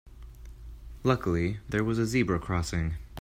Luckily there was a zebra crossing.